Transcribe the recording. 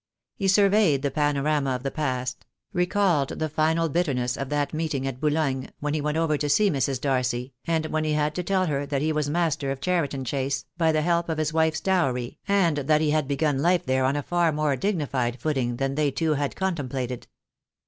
He surveyed the panorama of the past; recalled The Day will come. II. 10 242 THE DAY WILL COME. the final bitterness of that meeting at Boulogne, when he went over to see Mrs. Darcy, and when he had to tell her that he was master of Cheriton Chase, by the help of his wife's dowry, and that he had begun life there on a far more dignified footing than they two had contem plated.